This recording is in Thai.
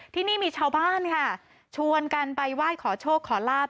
ที่นี่มีชาวบ้านค่ะชวนกันไปไหว้ขอโชคขอลาบ